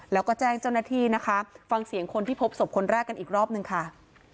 แล้วก็แจ้งเจ้าหน้าที่นะคะฟังเสียงคนที่พบศพคนแรกกันอีกรอบหนึ่งค่ะ